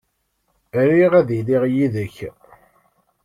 Riɣ ad iliɣ yid-k.